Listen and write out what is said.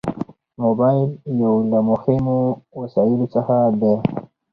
موبایل یو له مهمو وسایلو څخه دی.